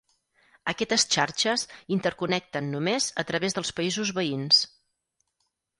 Aquestes xarxes interconnecten només a través dels països veïns.